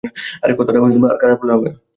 আরে, কথাটা খারাপ হলে হবে না।